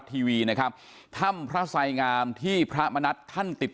ทีวีนะครับถ้ำพระไสงามที่พระมณัฐท่านติด